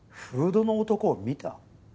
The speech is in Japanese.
フードの男を見た？